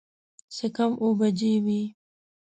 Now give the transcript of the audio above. څه کم اووه بجې وې.